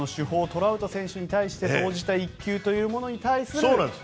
トラウト選手に対して投じた一球というものに対する。